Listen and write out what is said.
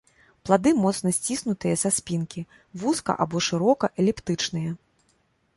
Плады моцна сціснутыя са спінкі, вузка або шырока эліптычныя.